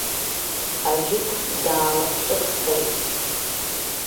Аџьықә даалахҿыххеит.